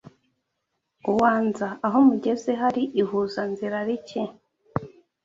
uanza aho mugeze hari ihuzanzira rike